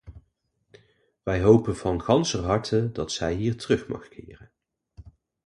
Wij hopen van ganser harte dat zij hier terug mag keren.